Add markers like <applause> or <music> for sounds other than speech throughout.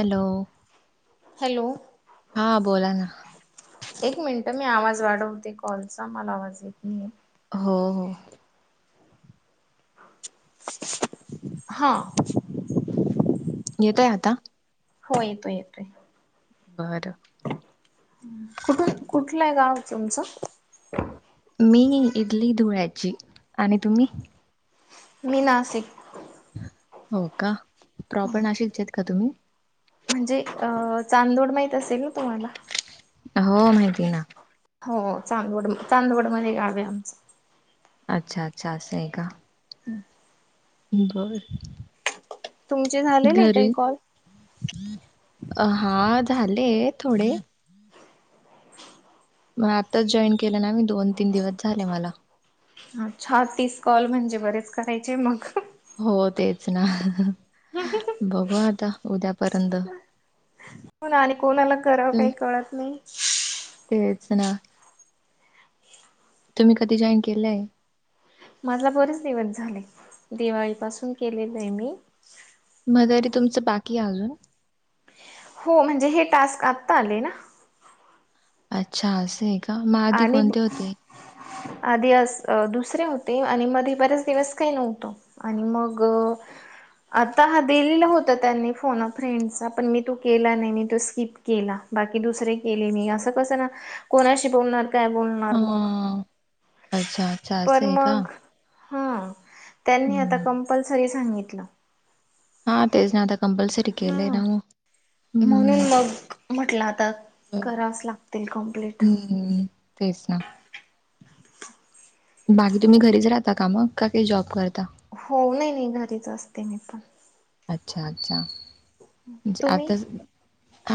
Hello. Hello. हा बोला ना. एक मिनट मी आवाज वाढवते कॉलचा मला आवाज येत नाही. होा हो. हा. येतय आता हो येतो येतोे. बरं. कुठ कुठलंय गाण तुमचं? मी इडली धुळ्याची आणि तुम्ही? मी नाशिक हो का प्रॉपर नाशिकचे का तुम्ही? म्हणजे अ चांदोड माहीत असेल ना तुम्हाला हो माहिती ना हो चांदवड चांदवडमध्येध्ये गावे आमच अच्छा अच्छा अस स आहे का हम्म बर तुमचे झालेले आहे काही कॉल अ हा झाले थोडे मग आताच जॉईन केलं ना मी दोन तीन दिवस झाले मला अच्छ तीस कॉल म्हणजे बरेच करायचे मग हो तेच ना बघू आता उद्यापर्यंत हो ना आणि कोणाला कराव तुम काही कळत नाही तेच ना तुम्ही कधी जाॉईन केलंय माझा बरेच दिवस झाले दिवाळीपासून केलेले आहे मी मदरी तुमचं बाकी अजून हो म्हणजे हे टास्क आत्ता आले ना अच्छा असे आणि आधी अस अ दुसरे होते आणि मध्ये बरेच दिवस काही नव्हतो आणि मग आता हा दिलेला होता त्यांनी फोन फ्रेंडचा पण मी तू केला नाही मी तो स्किप केला बाकी दुसरे केले मी असं कसं ना कोणाशी बोलणार काय बोलणार मग आजाद पण मग हा त्यांनी आता हम्म कंपल्सरी सांगितलं हा तेज नाता कंपल्सरी केले हा आहे ना म्हणून हम्म मग म्हटलं आता करास लागतील कमप्लीट ह्म तेच ना बाकी तुम्ही घरीच राहता का मग का काही जॉब करता हो नाही नाही घरीच असते मी पण अच्छा अच्छा म्हे तुम्ही आता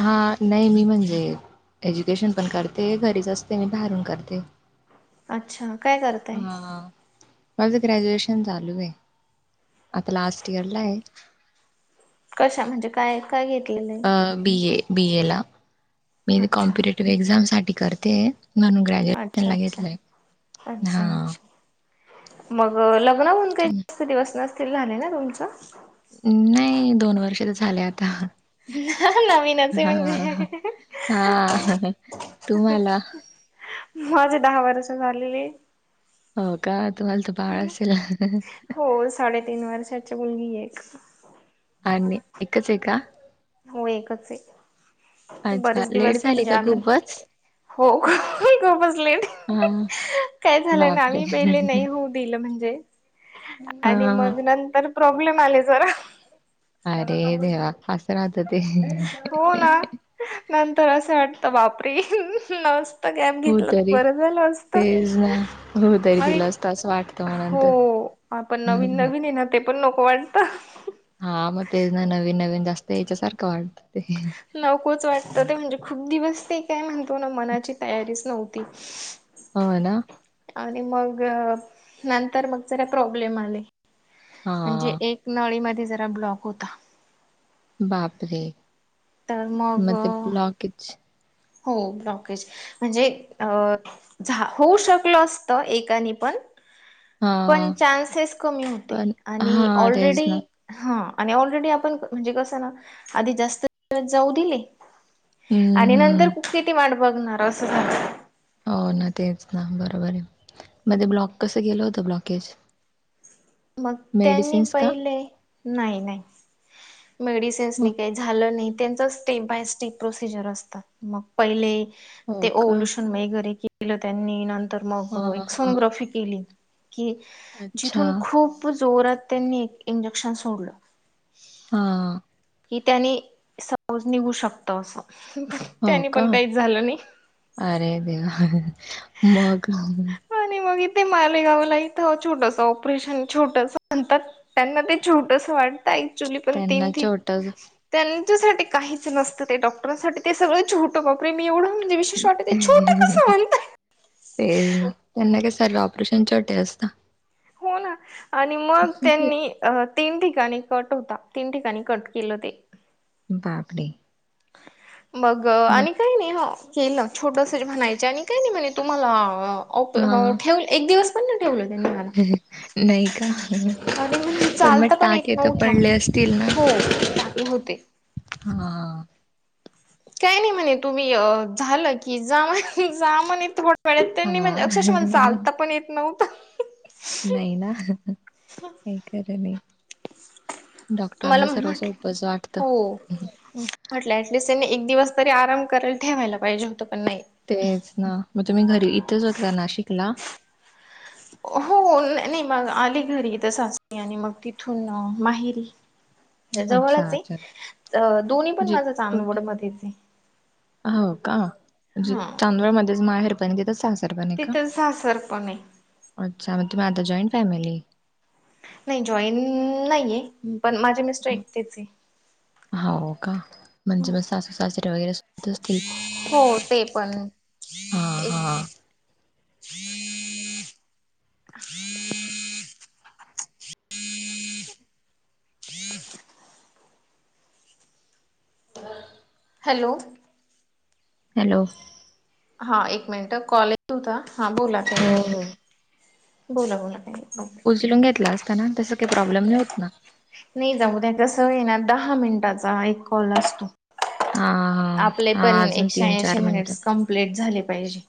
हा नाही मी म्हणजे एज्युकेशन पण करते घरीच असते मी बाहेरून करते अच्छा काय करताय हा माझं ग्रॅज्युएशन चालू आहे आता लास्ट इयर ला आहे कशा म्हणजे काय काय घेतलेलं आहे बी ए बी ए ला मी अच्छा. कॉम्पिटेटिव्ह एक्झाम साठी करते म्हणू ग्रॅजुएशन अच्छा ला अच्छा घेतलंय अच्छा हा अच्छा मग लग्न काही ह दिवस नसतील राान ना तुमचं नाही दोन वर्ष तर झाले आता ह नवीनच आहे हां, म्हगजे हां. हां. तुम्हाला? माजे दहा वर्ष झालेली हो का तुम्हाला तर बाळ असेल साडे तिन बार सच बुली एक अ एकाचेका हो एकच आहे अच्छा. बरेच लेट दिवस झाली म्हणजे का आम्ही खूपच? हो ख ग बसले हां. काय झालंय ना बापरे! आम्ही पहिले नाही होऊ दिलं म्हणजे आणि हां. मग नंतर प्रॉब्लेम आले जरा अरे देवा आसरात ते हो ना नंतर असं वाटतं बापरी न गॅप हो घेतलं तरी. बरं झालं असत तेच ना. हो तरी आणि तिला असतं असं वाटतं मग नंतर. हो पण नवीन हां, नवीन ये ना ते पण नको वाटत हा मग ते ना नवीन नवीन जास्त याच्यासारखं वाटत ते नकोच वाटत ते म्हणजे खूप दिवस ते काय म्हणतो ना मनाची तयारीच नव्हती हो ना आणि मग नंतर मग जरा प्रॉब्लेम आले म्हणजे हां. एक नळीमध्ये जरा ब्लॉक होता बापरे तर मग मत ब्लॉकच हो ब्लॉकेज म्हणजे अ झा होऊ शकलो असत एकाने पण हां. पण चान्सेस कमी होते पण आणि हा तेच ऑलरेडी ना हा आणि ऑलरेडी आपण म्हणजे कसं ना आधी जास्त जाऊ दिले हम्म आणि नंतर हम्म खुप किती माट बघणार असं सांग हो ना तेच ना बरोबर आहे मध्ये ब्लॉक कसं गेलं होतं ब्लॉकेज मग त्यांनी मेडिसिन्स का पहिले नाही नाही मेडिसिन्स म- काही झालं नाही त्यांच स्टेप बाय स्टेप प्रोसिजर असतात मग पहिले हो ते का ओलूशन वगैरे केलं त्यांनींत मग हा एक हा सोनोग्राफी केली की अच्छा जिथून खूप जोरात त्यांनी एक इंजेक्शन सोडलं हा ही त्यानी सहज निघू शकतं असं हो त्यानी का पण काहीच झालं नाही. अरे देवा मग मगथे मालेगावला इथं छोटस ऑपरेशन छोटस म्हणतात त्यांना ते छोटस वाटतं एकक्चुली पण तीन त्यांना ती छोटच त्यांच्यासाठी काहीच नसतं ते डॉक्टरांसाठी ते सगळं छट खोके मी एवढं म्हणे विशे वाटते ते छोटे कं म्हणतय तेच ना त्यांना काय सरलं ऑपरेशन टे असत हो ना आणि मग त्यांनी अ तीन ठिकाणी कट होता तीन ठिकाणी कट केलं ते बापडे बग आणि काही नाही हो केलं छोटस म्हणायच आणि काही नाही म्हणे तुम्हाला हा प ठेव एक दिवस ठे त्यांनी म नाही का आणि म्हणजे ल मग पण टाके तर नव्हत पडले असतील ना हो टाके होते हा काही नाही म्हणे तुम्ही झालं की जा म्ह जा म्हणे थडं ेड्या हा त्यांनी म्हणजे अक्षयश मला चालता पण येत नव नाही ना हे कर नाही मला डॉक्टरांना सर्वच म्हटलं उपज वाटतं हो म्हटलं टिस्ट त्यांने एक दिवस तरी आराम करायला ठेवायला पाहिजे होतं पण नाही तेच ना मग तुम्ही घरी इथंचकताना शिकला हो नाही मग आली घरीथचली आणि मग तिथून माहिरी हो जवळच आहे दोन्ही पण जे माझा कुठे चांदवड मध्येच आहे हो का म्हजे हा तांदळ मध्येच माहेर द सहाजार रप का तिथं सासर पण आहे अच्छा म तुम्ही आता जॉईंट फॅमिली नाही जॉईन नाहीये पण माझे मिस्टर एकतेच आहे हो का. म्हणजे मग सासू सासरे वगैरे सोबत असतील हो ते पण. हा हम हा हम हम. ह. तर. हॅलो. हॅलो. हा एक मिनिट कॉले होता हा बोला. काही हो नाही ह. बोला बोला. नाही उचलून घेतला असताना तस काही प्रॉब्लेम नाही होत ना. नाही जाऊद्या कसं येणार दहा मिनिटाचा एक कॉल असतो. हा हा. आपले पण हा अजून एकशे तीन ऐंशी चार मिनिटं मिनिट्स कंप्लीट झाले पाहिजे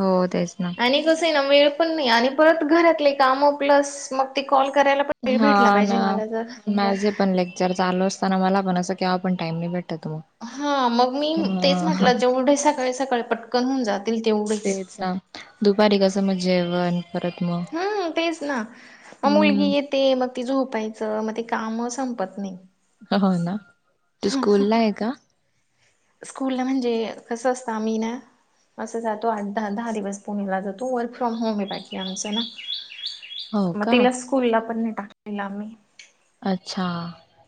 हो तेच ना आणि. कस ना वेळ पण नाही आणि परत घरातले काम प्लस मग. ते कॉल करायला भेटला हा पाहिजे ना मला ज. माझे पण लेक्चर चालू असताना मला पण अस किवा पण टाईम नाही भेटत ओ. हा मग मी तेच म्हटलं जेवढे सकाळे सकाळे पटक. तेच दुपारी कसं मग जेवण परत मग. हम्म. ते मग ती झोपायचं मग ते काम संपत नाही. हो ना तू स्कूल ला आहे का. स्कूला म्हणजे कसं असतं आम्ही ना. असं जातो आठ दहा दहा दिवस पुणेला जातो वर्क फ्रॉम होम येत. आमच ना हो मग का तिला स्कूलला पण नाही टाकलेला आम्ही. अच्छा.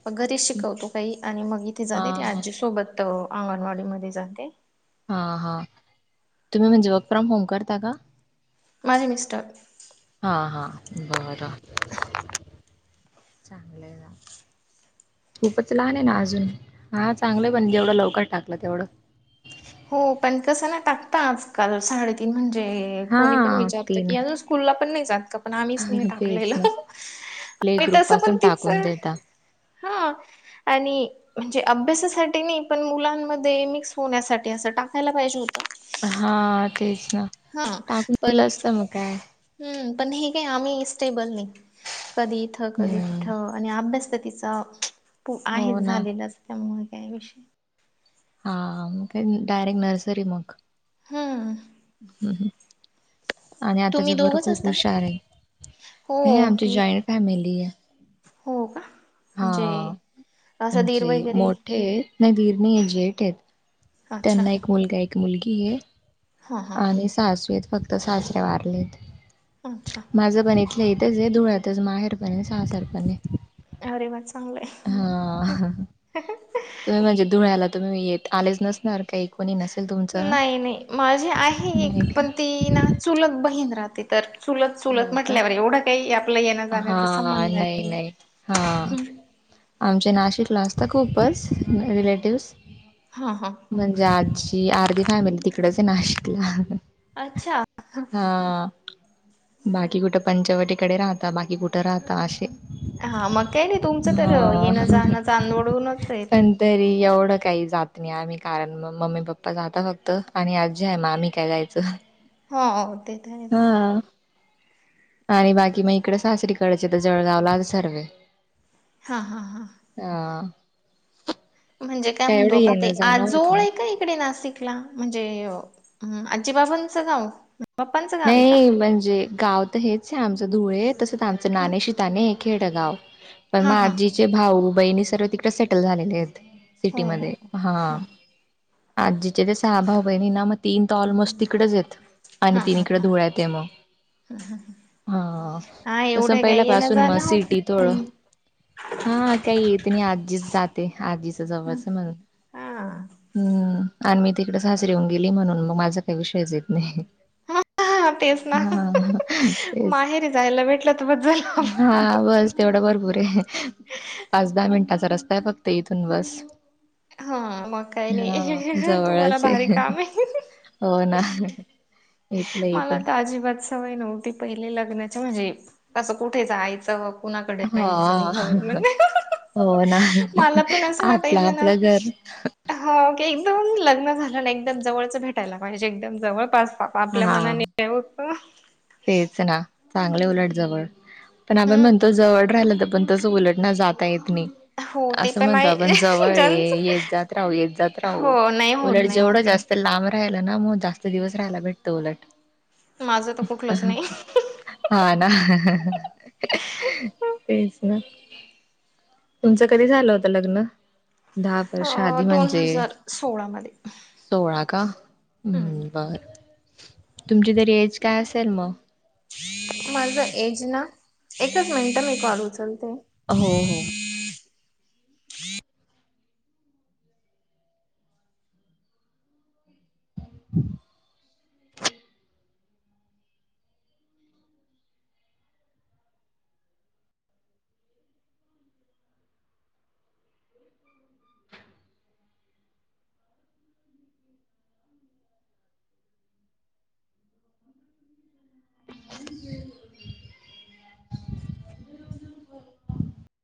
मग घरीच शिकवतो काही आणि मग इथे हा जाते ते हा आजीसोबत अंगणवाडी मध्ये जाते. हा हा तुम्ही म्हणजे वर्क फ्रॉम होम करता का. माझे मिस्टर. हा हा बरं चांगलं जा. खूपच लहान आहे ना अजून हां चांगलं पण जेवढं लवकर टाकलं तेवढं. हो पण कसं ना टाकता आजकाल साडे. त म्हणजे कोणी पण हा विचारत तीन की अजून स्कूलला पण नाही जात का पण आम्हीच नाही तेच ना टाकलेलं. प्ले आ ग्रुप तसं पण पासून तिच. टाकून देता हा आणि म्हणजे अभ्यासासाठी नाही पण मुलांमध्ये मिक्स होण्यासाठी. असं टाकायला पाहिजे होतं. हा तेच ना हा टाकून पण दिलं असत मग काय. हम्म पण हे काय आम्ही स्टेबल नाही कधी इथं कधी ते. हम्म तथ आणि अभ्यास तर तिचाू हो आहेच ना झालेला त्यामुळे का विषय. हा मग काय डारेक्ट नर्सरी मग. हम्. हम्म ह्. आणि तुम्ही आताच्या बरोबर दोघच खूप असता हुशार का आहे हो हे आमची ठीक आहे जॉईंट फॅमिली आहे. हो का. हा म्हणजे असं दीर म्हणजे वगैरे मोठे नाही धीरणी आहे झेठ आहेत. अच्छा त्यांना एक मुलगा एक मुलगी आहे. हां हां आणि सासवीत फक्त सासऱ्या वारलेत. अच्छा. माझं पण इथलं इथंच आहे धुळ्यातच माहेर पण सासरपण आहे. अरे वा चांगलंय हा तुम्ही म्हणजे धुळ्याला तुम्ही येत. आलेच नसणार काही कोणी नसेल तुमचं नाही नाही माझी आहे एक नाही का पण ती ना चुलक बहीण राहते तर चुलत चुलत हो का म्हटल्यावर एवढं काही आपला येण्या जाण्याचा संबंध नाही हां आमचे नाशिकला असत खूपच रिलेटिव्ह्स हा हा म्हणजे आजी अर्धी फॅमिली तिकडच आहे नाशिकला अच्छा हा बाकी कुठं पंचवटीकडे राहता बाकी कुठं राहता असे हा मग काय नाही तुमचं तर येणं हा जाणं चांदवडूनच आहेत पण तरी एवढं काही जात नाही आम्ही कारण मग मम्मी पप्पा जाता फक्त आणि आजी आहे म आम्ही काय जायच च होा ते आहे आणि बाकी मग इकडे सासरी करायची जळगावला आज सर्व हा हा हां हा म्हणजे काय म्हणतो आपण ते येणं जाणं होत आजोळ आहे का शिक म्हणजे आजीबाबांचं गाव पप्पांचं गाव आहे का नाही म्हणजे गाव तर हेच आहे आमच धुळे तसंच आमच हा नाणे शिताने खे गाव पण मा हा हा आजीचे भाऊ बहिणी सर्व तिकडे सेटल झालेले आहेत हो हो सिटीमध्ये हो हां ह आजीचे ते सहा भाऊ बहिणी ना म तीन तर ऑलमोस्ट तिकडेच आहेतेत हा आणि हा तीनकडे हा धुळ मगा हा कस एवढं पहिल्या काही येणं पाासून म जाणं होत सिटी थोडं हा काही येत नाही आजीच जाते आधीच नाही जावचं मला हा हम्म आणि मी तिकडेच हजरी होऊन गेली म्हणून मग माझा काही विषयच येत नाही हा हा तेच ना हा तेच माहेरी जायला भेटलं तर बस झालं आपलं. हा बस तेवढा भरपूर आहे पाच दहा मिनिटाचा रस्ता आहे फक्त इथून बस हा मग काही हा नाही तुम्हाला जवळच भारी आहे काम आहे हो ना इथलं इथे मला तर अजिबात सवय नव्हती पहिले लग्नाची म्हणजे तसं कुठे जायचं कुणाकडे हा नाहीच घर म्हणजे हो ना मला आपलं आपलं घर ह एकदम लग्न झालं ना एकदम जवळच भेटायला पाहिजे एकदम जवळ पास वा आपल्या हा मनाने याव का तेच ना चांगले उलट जवळ पण आपण हम्म म्हणतो जवळ राहिलं तर पण तसं उलट नाही जाता येत नाही हो ते असं पण म्हणतो आहे आपण जवळ ज्यांच येत जात राहू येत जात राहू हो नाही होत उलट नाही होत. जेवढं जास्त लांब राहायला ना मग जास्त दिवस राहायला भेटतं उलट माझं तर कुठलंच नाही हा ना तेच ना तुमचं कधी झालं होत लग्न दहा परर अ आधी दोन म्हणजे हजार सोळा मध्ये. सोळा का हम्म बर तुमची तरी एज काय असेल मग माझा एज ना एकच मिनिट मी कॉल उचलते हो हो हो ह <inaudible>